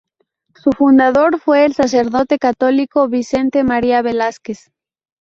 Su fundador fue el sacerdote católico Vicente María Velásquez.